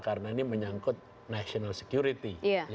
karena ini menyangkut national security